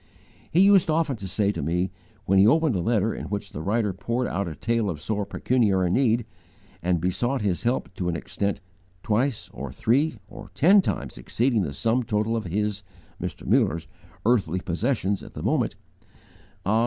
"He used often to say to me, when he opened a letter in which the writer poured out a tale of sore pecuniary need, and besought his help to an extent twice or three or ten times exceeding the sum total of his (Mr. Muller's) earthly possessions at the moment, 'Ah!